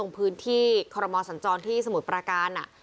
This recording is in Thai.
พื้นที่คอรมอสัญจรที่สมุทรประการ